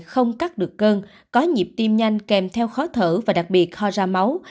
không cắt được cơn có nhịp tim nhanh kèm theo khó thở và đặc biệt ho ra máu